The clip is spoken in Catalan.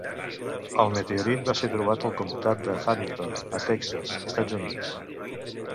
El meteorit va ser trobat al comtat de Hamilton, a Texas, Estats Units.